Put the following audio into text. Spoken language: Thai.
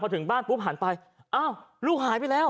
ถึงบ้านปุ๊บหันไปอ้าวลูกหายไปแล้ว